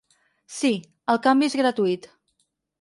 Si, el canvi es gratuït.